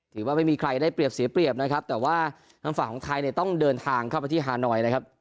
ถือว่าไม่มีใครได้เปรียบเสียเปรียบนะครับแต่ว่าทางฝั่งของไทยเนี่ยต้องเดินทางเข้าไปที่ฮานอยนะครับ